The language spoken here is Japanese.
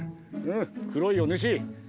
黒いお主。